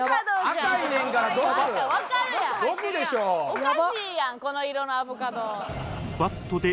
おかしいやんこの色のアボカド。